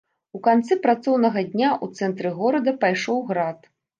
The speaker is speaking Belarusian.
У канцы працоўнага дня у цэнтры горада пайшоў град.